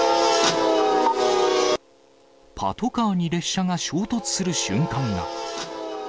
パトカーに列車が衝突する瞬間が。